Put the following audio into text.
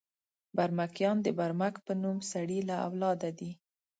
برمکیان د برمک په نوم سړي له اولاده دي.